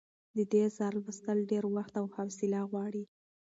د دې اثر لوستل ډېر وخت او حوصله غواړي.